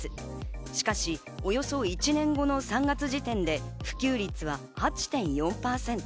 しかし、およそ１年後の３月時点で普及率は８．４％。